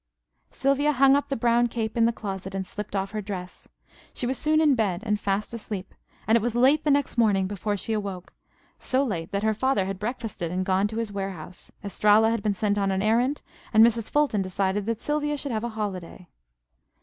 Sylvia hung up the brown cape in the closet, and slipped off her dress. She was soon in bed and fast asleep, and it was late the next morning before she awoke so late that her father had breakfasted and gone to his warehouse; Estralla had been sent on an errand, and Mrs. Fulton decided that Sylvia should have a holiday.